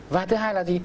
và thứ hai là gì